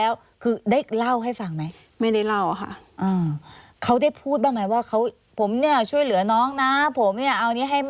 ว่าเพราะเรื่องสั้นแล้วผม